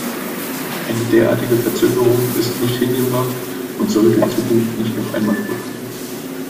Eine derartige Verzögerung ist nicht hinnehmbar und sollte in Zukunft nicht noch einmal vorkommen.